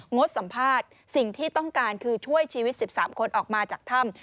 งดสัมภาษณ์สิ่งที่ต้องการคือช่วยชีวิต๑๓คนออกมาจากถ้ำ